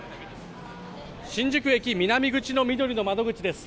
新宿駅南口のみどりの窓口です。